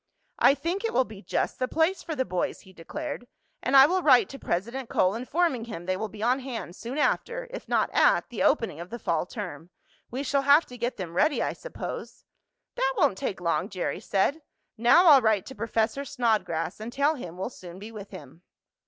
"I think it will be just the place for the boys," he declared, "and I will write to President Cole, informing him they will be on hand soon after, if not at, the opening of the fall term. We shall have to get them ready, I suppose." "That won't take long," Jerry said. "Now I'll write to Professor Snodgrass, and tell him we'll soon be with him."